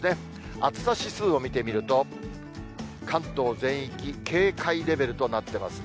暑さ指数を見てみると、関東全域、警戒レベルとなってますね。